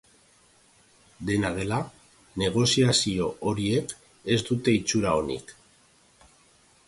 Dena dela, negoziazio horiek ez dute itxura onik.